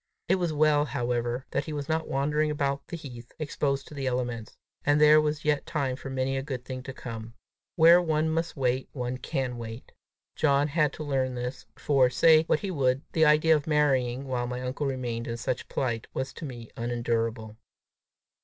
It was well, however, that he was not wandering about the heath, exposed to the elements! and there was yet time for many a good thing to come! Where one must wait, one can wait. John had to learn this, for, say what he would, the idea of marrying while my uncle remained in such plight, was to me unendurable.